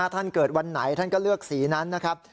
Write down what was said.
ท่านเกิดวันไหนท่านก็เลือกสีนั้นนะครับ